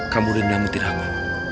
kamu udah nyamuk diraku